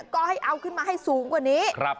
ก็ให้เอาขึ้นมาให้สูงกว่านี้